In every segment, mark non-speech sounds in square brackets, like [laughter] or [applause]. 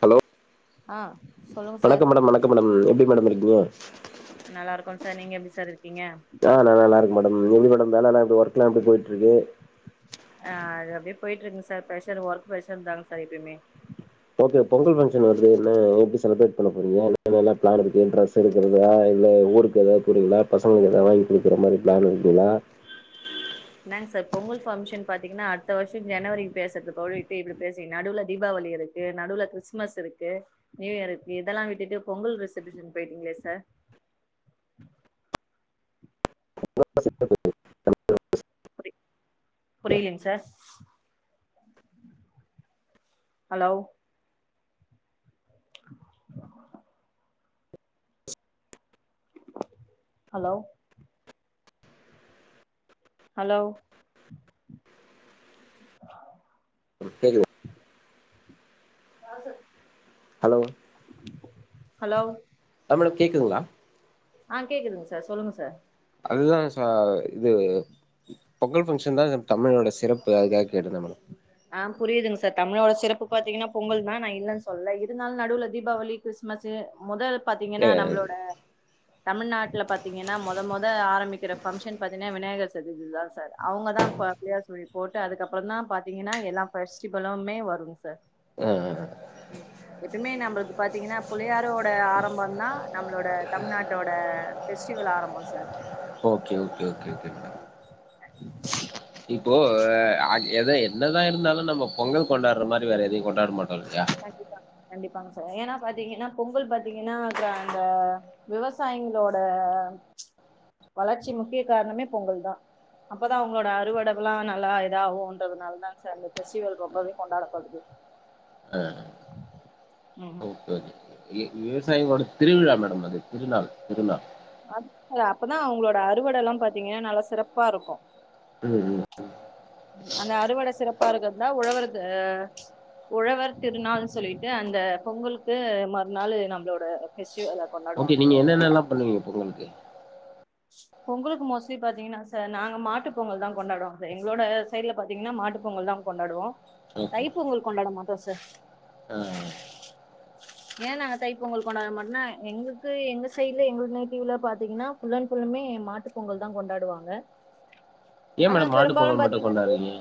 hello ஆ சொல்லுங்க sir வணக்கம் மேடம் வணக்கம் மேடம் எப்டி மேடம் இருக்கீங்க நல்லாருக்கோ சார் நீங்க எப்டி சார் இருக்கீங்க அ நா நல்லாயிருக்க மேடம் லீவு நாள்ல வேலலா எப்டி ஒர்க்கெல்லா எப்டி போயிட்ருக்கு ஆ அப்டியே போயிட்டு இருக்குங்க சார் பெரஷர் ஒர்க்பெரஷர் தாங்க சார் எப்பயுமே ஓகே பொங்கல் பங்க்ஷன் வருதுல எப்டி செலப்ரெட் பண்ண போறீங்க என்ன என்னெல்லா ப்ளான் இருக்கு ட்ரெஸ் இருக்கிறதா இல்ல ஊருக்கு எதாவது போரிங்களா பசங்களுக்கு எதாவது வாங்கி குடுக்குற மாரி ப்ளான் இருக்குங்களா என்னங் சார் பொங்கல்ஃபங்க்ஷன் பாத்தீங்கன்னா அடுத்த வருஷ ஜனவரிக்கு பேசுறதுக்கு பதிலா இப்பயே பேசரிங்க நடுவுல தீபாவளி இருக் நடுவுல கிறிஸ்மஸ் இருக்கு நியூ இயர் இருக்கு இதெல்லா விட்டுட்டு பொங்கல் செலிபிரேசன் போயிட்டீங்களே sir [inaudible] புரியலைங் sir hello [inaudible] hello hello கேக்குதா [unintelligible] ஹலோ ஹலோ நம்மளுக் கேக்குதுங்களா ஆ கேக்குதுங்க சார் சொல்லுங்க சார் அதுதா சார் இது பொங்கல் பங்க்ஷன் தா தமிழோட சிறப்பு அதுக்காக கேட்டு நம ஆ புரியுதுங்க சார் தமிழோட சிறப்பு பாத்தீங்கன்னா பொங்கல் தா நா இல்லன்னு சொல்ல இருந்தாலு நடுவுல தீபாவளி கிறிஸ்மஸ்ஸு மொத பாத்தீங்கன்னா ஏ நம்மளோட தமிழ்நாட்டுல பாத்தீங்கன்னா மொத மொத ஆரம்பிக்கிற பங்க்ஷன் பாத்தீங்கன்னா விநாயகர் சதுர்த்தி தா சார் அவுங்கதா இப்ப பிள்ளையார் சுழி போட்டு அதுக்கப்பறந்தா பாத்தீங்கன்னா எல்லா பெஸ்டிவலுமே வருங்க சார் ஆ ம் எப்பயுமே நம்மளுக்கு பாத்தீங்கன்னா புள்ளையாரோட ஆரம்போந்தா நம்ளோட தமிழ்நாட்டோட ஃபெஸ்டிவல் ஆரம்போ sir okay okay okay okay madam இப்போ எத என்னதா இருந்தாலு நம்ம பொங்கல் கொண்டாடுற மாரி வேற எதையு கொண் கண்டிப்பாங்க கண்டிப்பாங்க சார் ஏன்னா பாத்தீங்கன்னா பொங்கல் பாத்தீங்கன்னா அப்பறோ அந்த விவசாயிங்களோட வளர்ச்சி முக்கிய காரணமே பொங்கல்தா அப்பதா அவங்களோட அறுவடைல்லா நல்லா இதாகுன்றதுனாலதாங்க சார் இந்த பெஸ்டிவல் ரொம்பவே கொண்டாடப்படுது ம் ஓகே ஓகே வி- விவசாயிகளோட திருவிழா மேடம் அது திருநாள் திருநாள் அப் அது அப்பதா அவங்களோட அறுவடையெல்லா பாத்தீங்கன்னா நல்லா சிறப்பா இருக்கு ம் ம் அந்த அறுவட சிறப்பா இருக்குறதுதா உழவருது உழவர் திருநாள்னு சொல்லிட்டு அந்த பொங்கலுக்கு மறுநாள் நம்மளோட பெஸ்டிவல் அது ஓகே நீங்க என்னென்னல்லா பண்ணுவீங்க பொங்கலுக்கு பொங்கலுக்கு மோஸ்ட்லி பாத்தீங்கன்னா சார் நாங்க மாட்டு பொங்கல்தா கொண்டாடுவோங்க சார் எங்களோட சைடுல பாத்தீங்கன்னா மாட்டு பொங்கல்தா கொண்டாடுவோ ஓகே தைப் பொங்கல் கொண்டாட மாட்டோ சார் ஆ ஆ ஏ நாங்க தைப் பொங்கல் கொண்டாட மாட்டோன்னா எங்களுக்கு எங்க சைடு்ல எங்களுக்கு நேட்டிவ்ல பாத்தீங்கன்னா ஃபுல் அண்ட் ஃபுல்லுமே மாட்டு பொங்கல்தா கொண்டாடுவாங்க ஏன் ஆனா மேடம் மாட்டு பெரும்பாலு பொங்கல் மட்டும் பாத்தீங்கன்னா நெறைய கொண்டாடுறீங்க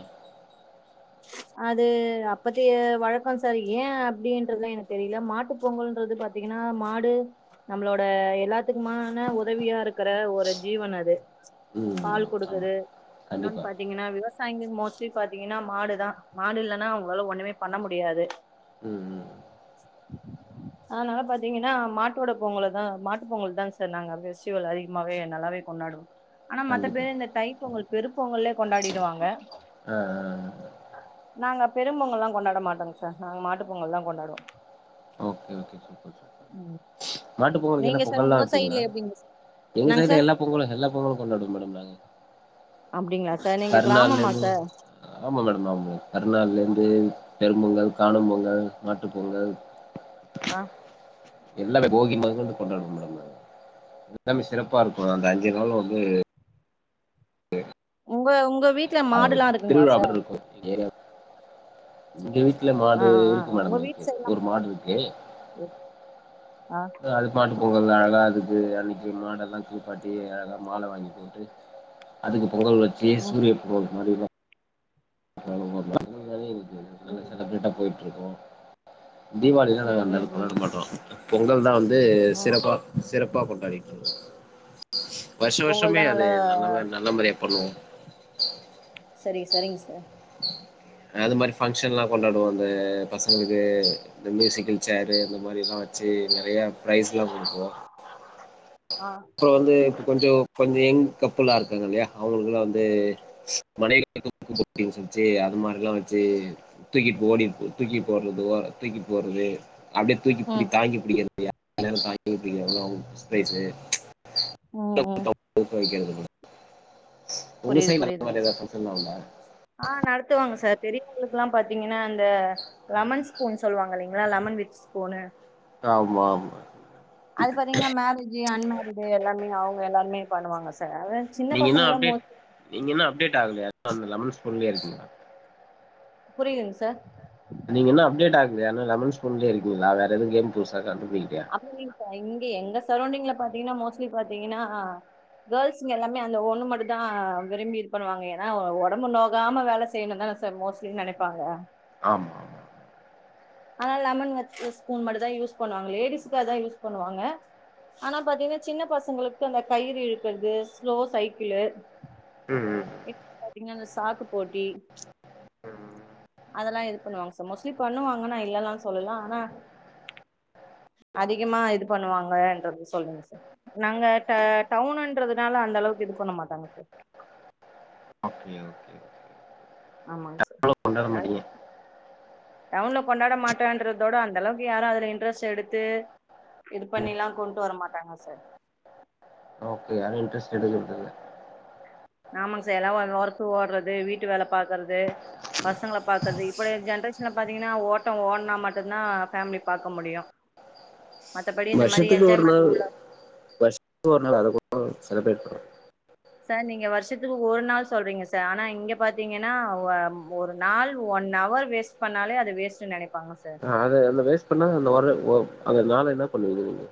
அது அப்பதைய வழக்கோ சார் ஏ அப்டின்றது எனக்கு தெரில மாட்டு பொங்கல்ன்றது பாத் தீங்கன்னா மாடு நம்மளோட எல்லாத்துக்குமான உதவியா இருக்குற ஒரு ஜீவன் அது ம் பால் குடுக்குது ஆமாம் இன்னொன்னு கண்டிப்பாக பாத்தீங்கன்னா விவசாயிங்க மோஸ்ட்லி பாத்தீங்கன்னா மாடுதா மாடு இல்லன்னா அவுங்களால ஒண்ணுமே பண்ண முடியாது ம் ம் அதனால பாத்தீங்கன்னா மாட்டோட பொங்கலதா மாட்டு பொங்கல்தாங்க சார் நாங்க பெஸ்டிவல் அதிகமாவே நல்லாவே கொண்டாடுவோ ஆனா மத்த கண்டிப்பாக பேரு இந்த தை பொங்கல் பெருப்பொங்கலே கொண்டாடிடுவாங்க ஆ ஆ ஆ நாங்க பெரும் பொங்கல்லா கொண்டாட மாட்டோங்க சார் நாங்க மாட்டு பொங்கல்தா கொண்டாடுவோ ஓகே சூப்பர் சூப்பர் ம் மாட்டுப்பொங்கல்க்கு என்ன நீங்க சார் பொங்கல்லா உங்க வப்பீங்களா சைட்ல எப்டிங்க எங்க என்னங்க சைடுல சார் எல்லா பொங்கலு எல்லா பொங்கலு கொண்டாடுவோ மேடம் நாங்க அப்டிங்களா சார் நீங்க கறிநாள்ல கிராமமா இருந்து சார் ஆமா மேடம் ஆமா கறிநாள்ல இருந்து பெரும் பொங்கல் காணும் பொங்கல் மாட்டுப்பொங்கல் ஆ எல்லா அந்த போகி மொதக்கொண்டு கொண்டாடுவோ மேடம் நாங்க எல்லாமே சிறப்பா இருக்கு அந்த அஞ்சி நாளு வந்து உங்க உங்க வீட்ல அது மாடுல்லா இருக்குங்களா சார் எங்க வீட்ல ஆ மாடு ஆ இருக்கு உங்க மேடம் வீட்டு இருக்கு சைட்லா ஒரு மாடு இருக்கு ஆ அதுக்கு மாட்டு பொங்கல்னா அழகா அதுக்கு அன்னிக்கி மாடெல்லா குளிப்பாட்டி அழகா மால வாங்கி போட்டு அதுக்கு பொங்கல் வச்சி ம் சூரிய பொங்கல்க்கு மாரிருவோ அப்பறோ அன்னக்கி நெறைய வேலைகள் இருக்கு அன்னக்கி நல்லா ம் செலப்ரேட்டா போயிட்டு இருக்கு தீபாவளிலா நாங்க ம் அந்த ம் அளவுக்கு ம் கொண்டாட மாட்டோ பொங்கல்தா வந்து ம் சிறப்பா சிறப் ப்பா கொண்டாடிட்ருக்கோ வருஷோ பொங்கல் தா வருஷமே அது நல்லா நல்ல நல்ல மாரியா பண்ணுவோ சரிங்க சரிங்க சார் அது மாறி பங்க்ஷன்லா கொண்டாடுவாங்க பசங்களுக்கு இந்த மியூசிக்கல் சேரு இந்த மாறிலா வச்சு நெறையா ப்ரைஸ்லா கொடுப்போ ஆ அப்பற வந்து இப்ப கொஞ்சோ கொஞ்சோ யங் கப்புல்லா இருக்காங்கல்லையா அவங்களுக்குல்லா வந்து [unintelligible] அது மாறி லா வச்சி தூக்கிட்டு ஓடிப் தூக்கிட்டு ஓட்றது தூக்கி போட்றது அப்டியே தூக்கிப் பிடி ம் தாங்கி பிடிக்கிறது [unintelligible] தாங்கி பிடிக்க [unintelligible] ம் [unintelligible] உங்க புரியுது சைட் அந்த புரியுதுங்க மாதிரி சார் ஏதாவது பங்க்ஷன் ல உண்டா ஆ நடத்துவாங்க சார் பெரியவங்களுக்குல்லா பாத்தீங்கன்னா அந்த லெமன் ஸ்பூன் சொல்லுவாங்க இல்லைங்களா லெமன் வித் ஸ்பூனு ஆமா ஆமா அது பாத்தீங்கன்னா மேரேஜு அன்மேரீடு எல்லாமே அவுங்க எல்லாமே பண்ணுவாங்க சார் சின்ன நீங்க இன்னு பசங்கல்லா மோ அப்டேட் நீங்க இன்னு அப்டேட் ஆகலையா அந்த லெமன் ஸ்பூன்லேயே இருக்கீங்கல புரியலீங்க சார் நீங்க இன்னு அப்டேட் ஆகலையா இன்னு லெமன் ஸ்பூன்லேயே இருக்கீங்களா வேற எது கேம் புதுசா கண்டுபிடிக்கலயா அப்புடி இல்லைங்க சார் இங்க எங்க சரௌண்டிங்ல பாத்தீங்கன்னா மோஸ்ட்லி பாத்தீங்கன்னா கேர்ள்ஸுங்க எல்லாமே அந்த ஒண்ணு மட்டுந்தா விரும்பி இது பண்ணுவாங்க ஏன்னா ஒடம்பு நோகாம வேல செய்யணுந்தானே சார் மோஸ்ட்லின்னு நெனப்பாங்க ஆமா ஆமா அதனால லெமன் வித் ஸ்பூன் மட்டு தான் யூஸ் பண்ணுவாங்க லேடிஸ்க்கு அதான் யூஸ் பண்ணுவாங்க ஆனா பாத்தீங்கன்னா சின்னப் பசங்களுக்கு அந்த கயிறு இழுக்கிறது ஸ்லோ சைக்கிளு ம் ம் இப்ப பாத்தீங்கன்னா இந்த சாக்கு போட்டி அதெல்லா இது பண்ணுவாங்க சார் மோஸ்லி பண்ணுவாங்க நா இல்லேன்னுல்லா சொல்லலே ஆனா அதிகமா இது பண்ணுவாங்கன்றது சொல்லுங்க சார் நாங்க ட டவுனுன்றதுனால அந்த அளவுக்கு இது பண்ண மாட்டங்க சார் ஓகே ஓகே ஆமாங்க சார் கொண்டாட மாட்டீங்க நெறைய டவுன்ல கொண்டாட மாட்டோன்றத விட அந்த அளவுக்கு யாரு அதுல இன்ட்ரெஸ்ட் எடுத்து இது பண்ணில்லா கொண்ட்டு வர மாட்டாங்க சார் ஓகே யாரும் இன்டரெஸ்ட் எடுக்கிறதில்ல ஆமாங்க சார் எல்லா ஒர்க்கு ஓடுறது வீட்டு வேலை பாக்குறது பசங்களப் பாக்குறது இப்புடி ஜென்ரேஷன்ல பாத்தீங்கன்னா ஓட்டம் ஓடுனா மட்டுந்தான் ஃபேமிலி பாக்க முடியு மத்தபடி இந்த மாரி வர்ஷத்துக்கு ஒரு நாள் என்ஜாய்மெண்ட் வர்ஷத்துக்கு ஒரு நாள் வர்ஷத்துக்கு ஒரு நாள் அதக் கொண்டாட செலிப்ரேட் பண்ணணு சார் நீங்க வருஷத்துக்கு ஒரு நாள் சொல்றீங்க சார் ஆனா இங்க பாத்தீங்கன்னா வ ஒரு நாள் ஒன் ஹவர் வேஸ்ட் வேஸ்ட் பண்ணாலே அது வேஸ்ட்டுன்னு நெனைப்பாங்க சார் ஹ அத அதுல வேஸ்ட் பண்ணா அந்த வர்ற அந்த நாள்ல என்ன பண்ணுவீங்க நீங்க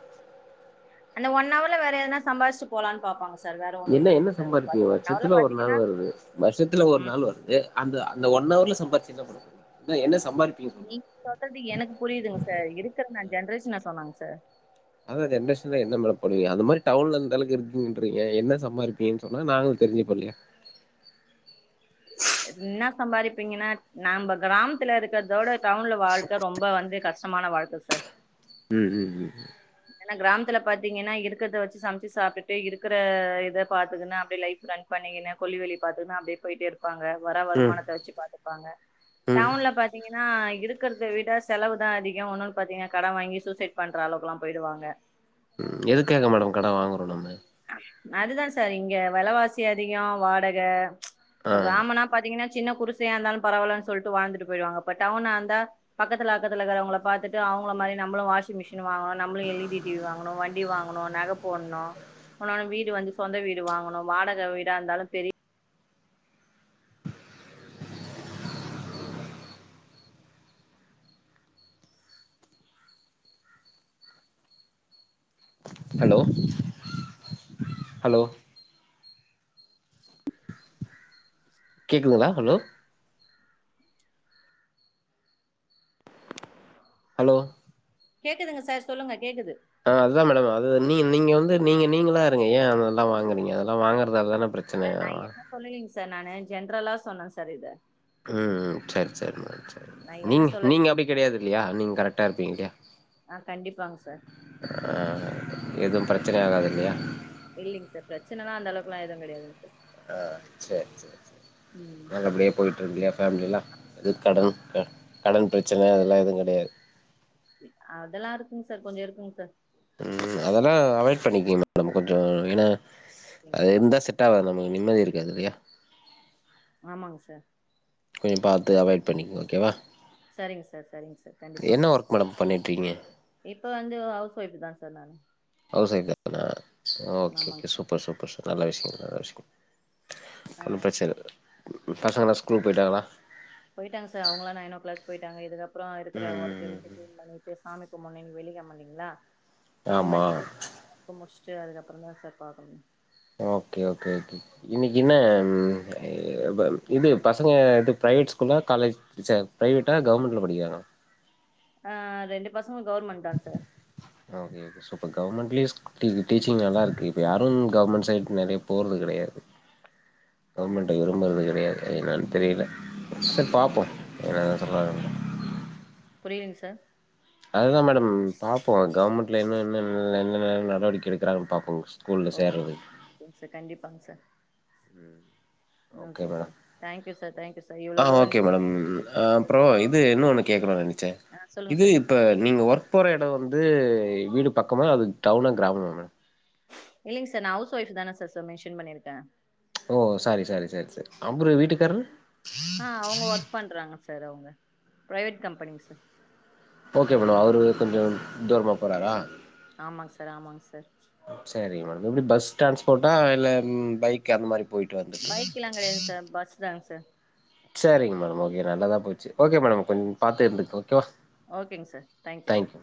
அந்த ஒன் ஹவர்ல வேற எதுனா சம்பாரிச்சுட்டு போலான்னு பாப்பாங்க சார் வேற என்ன என்ன ஒண்ணுமில்லைங்க சார் சம்பாதிப்பீங்க ஒன் ஹவர்ல வர்ஷத்துல ஒரு நாள் பாத்தீங்கன்னா வருது வர்ஷத்துல ஒரு ம் நாள் வருது அந்த அந்த ஒன் ஹவர்ல சம்பாதிச்சு என்ன பண்ணப் போறீங்க என்ன என்ன சம்பாதிப்பீங்க சொல்லுங்க நீங்க சொல்றது எனக்கு புரியுதுங்க சார் இருக்குற நா ஜென்ரேஷன சொன்னேங்க சார் அதான் ஜென்ரேஷன்ல என்ன மேடம் பண்ணுவீங்க அந்த மாறி டவுன்ல அந்த அளவுக்கு இருக்குங்குன்றீங்க என்ன சம்பாரிப் பீங்கன்னு சொன்னா நாங்களு தெரிஞ்சுப்போ இல்லையா என்ன சம்பாரிப்பீங்கன்னா நாம்ப கிராமத்துல இருக்கிறதோட டவுன்ல வாழ்க்க ரொம்ப வந்து கஷ்டமான வாழ்க்க சார் ம் ம் ம் ஏன்னா கிராமத்துல பாத்தீங்கன்னா இருக்கறத வச்சு சமைச்சு சாப்பிட்டுட்டு இருக்கிற இத பாத்துகினு அப்டியே லைஃப் ரன் பண்ணிக்கினு கொள்ளி வேலயப் பாத்துக்கினு அப்டியே போயிட்டே இரு ப்பாங்க வர்ற ம் வருமானத்த வச்சு பார்த்துப்பாங்க ம் டவுண்ல பாத் தீங்கன்னா இருக்கிறத விட செலவுதா அதிகோ ஒன்னொன்னு பாத்தீங்கன்னா கடன் வாங்கி சூசைடு பண்ற அளவுக்குல்லா போயிடுவாங்க ம் எதுக்காக மேடம் கட வாங்குறோ நம்ம அதுதா சார் இங்க விலவாசி அதிகோ வாடக ஆ இப்ப கிராமனா பாத்தீங்கன்னா சின்ன குடிசையா இருந்தால பரவாலன்னு சொல்லிட்டு வாழ்ந்துட்டு போயிடுவாங்க பட் டவுண்ணா இருந்தா பக்கத்துல அக்கத்துலகிறவங்க பாத்துட்டு அவுங்கள மாரி நம்பளு வாஷிங் மெஷின் வாங்கணு நம்ம ளு எல்லீடி டிவி வாங்கணு வண்டி வாங்கணு நக போண்ணு இப்பலா வீடு வந்து சொந்த வீடு வாங்கணு வாடக வீடா இருந்தாலு பெரி ஹலோ ஹலோ கேட்குதுங்ளா ஹலோ ஹலோ கேக்குதுங்க சார் சொல்லுங்க கேக்குது ஆ அதுதா மேடம் அது நீ நீங்க வந்து நீங்க நீங்களா இருங்க ஏ அதெல்லா வாங்குறீங்க அதெல்லா வாங்கறனாலதானே அப்றே சார் நா என்ன சொல்லலீங் சார் நானு ஜென்ரலா சொன்னே சார் இத ம் ம் செர் செரிமா நா என்ன நீங்க சொல்ல நீங்க அப்டி கெடையாது இல்லையா நீங்க கரெக்டா இருப்பீங்க இல்லையா ஆ கண்டிப்பாங்க சார் ஆ எதும் பிரச்சனை ஆகாது இல்லையா இல்லிங் சார் பிரச்சனல்லா அந்தளவுக்குல்லா எதும் கெடையாதுங் சார் ஆ சேர் சேரர் சேரி ம் நல்லபடியா போயிட்ருந்தியா பேமிலில்லா அது ஆ கடன் கடன் பிரச்சன அதெலா எதும் கெடையாது அதெல்லா இருக்குங் சார் கொஞ்சோ இருக்குங் சார் ம் ம் அதெல்லா அவாய்ட் பண்ணிக்கீங்க மேடம் கொஞ்சோ ஏன்னா ஓகேங்க அது சார் இருந்தா செட் வீட்டா வேற நம்ளுக்கு நிம்மதி இருக்காது இல்லையா ஆமாங் சார் கொஞ்சோ பாத்து அவாய்ட் பண்ணிக்கங்க ஓகேவா சரிங்க சார் சரிங்க சார் கண்டிப்பாங் என்ன ஒர்க் மேடம் பண்ணிட்ருக்கீங்க இப்ப வந்து ஹவுஸ் ஒய்ஃப்தா சார் நானு ஹவுஸ் ஒய்ஃப்தானா ஓகே ஆமாங்க okay sir super super super நல்ல விஷ்யோ நல்ல விஷ்யோ ஆ ஒன்னு பிரச்சனயில்ல உங்க பசங்கல்லா ஸ்கூல் போயிட்டாங்களா போயிட்டாங்க சார் அவுங்கல்லா நைன் ஓ கிளாக் போய்ட்டாங்க இதுக்கப்றோ இருக்கிற ஒர்க் ம் இருக்கு கிளீன் பண்ணிட்டு சாமி கும்பன்னு இன்னிக்கி வெள்ளிக்கெழம இல்லிங்ளா கிளீன் ஆமா பண்ணிட்டு ஒர்க்க முட்ச்சிட்டு அதுக்கப்றோ தா சார் பாக்கணு ஓகே ஓகே இன்னிக்கு என்ன எ ப இது பசங்க இது பிரைவேட் ஸ்கூலா காலேஜ் சேர் பிரைவேட்டா கவுர்மெண்ட்ல படிக்குறாங்களா ஆ ரெண்டு பசங்களு கவுர்மெண்ட் தா சார் ஓகே சூப்பர் கவுர்மெண்ட் ஸ்கூல்லயே டீச்சிங் சூப்பர் கவுர்மெண்ட்லயு டீச்சிங் நல்லா இருக்கு இப்ப யாரு கவுர்மெண்ட் சைட் நெறைய போறது கடையாது ஆமாங்க கவுர்மெண்ட்டு சார் விரும்புறது கிடையாது என்னன் தெரில சரி பாப்போம் என்னதா சொல்றாங்கன்னு புரிலங் சார் அதுதா மேடம் பாப்போ கவுர்மெண்ட்ல இன்னும்ன்ன என்னென்ன நடவடிக்க எடுக்குறாங்க பாப்போ ஸ்கூல்ல சேரதுக்கு சார் கண்டிப்பாங்க சார் ஓகே ஓகேங்க madam sir thank you sir thank you sir ஆ இவ்ளோ தூரம் ஓகே மேடம் நீங்களும் ஆ அப்புறோ இது இன்னொன்னு கேக்கணுனு நெனச்சே ஆ சொல்லுங்க இது சார் இப்ப நீங்க ஒர்க் போற எடோ வந்து வீடு பக்கமா அது டவுனா கிராமமா மேடம் இல்லங் சார் நா ஹவுஸ் ஒய்ஃப்புனுதானே சார் மென்ஷன் பண்ணிருக்கே ஓ சாரி சாரி சாரி சாரி அப்புரோ வீட்டுக்காரரு ஆ அவுங்க ஒர்க் பண்றாங்க சார் அவுங்க ப்ரைவேட் கம்பெனிங் சார் ஓகே மேடம் அவரு கொஞ்சோ தூரமா போறாரா ஆமாங்க சார் ஆமாங்க சார் சேரிங் மேடம் எப்டி பஸ் டிரான்ஸ்போர்ட்டா இல்ல பைக் அந்த மாரி போயிட்டு வந்துட்டு பைக்கில்லா கிடையாதுங்க சார் பஸ் தாங்க சார் சேரிங்க மேடம் ஓகே நல்லதா போச்சு ஓகே மேடம் கொஞ்சோ பாத்தே இருந்துக்கங்க ஓகேவா ஓகேங்க சார் தேங்க்யூ சார்